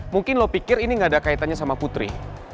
mungkin lo pikir ini gak ada kaitannya sama putri